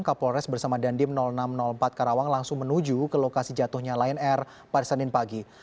kapolres bersama dandim enam ratus empat karawang langsung menuju ke lokasi jatuhnya lion air pada senin pagi